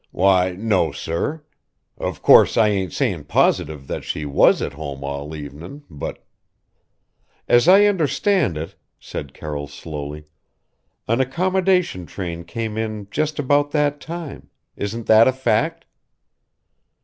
"Why, no, sir. Of course, I ain't sayin' positive that she was at home all evenin', but " "As I understand it," said Carroll slowly "an accommodation train came in just about that time: isn't that a fact?"